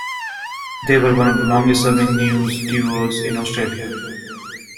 They were one of the longest serving news duos in Australia.